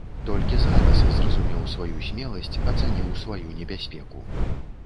Толькі зараз зразумеў сваю смеласць, ацаніў сваю небяспеку.